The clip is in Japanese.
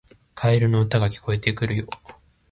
カエルの歌が聞こえてくるよ